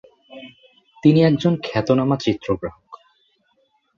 তিনি একজন খ্যাতনামা চিত্রগ্রাহক।